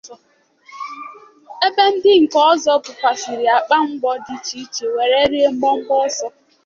ebe ndị nke ọzọ búkwàzịrị àpà mgbọ n'ụdị dị icheiche wee rie mbọmbọ ọsọ.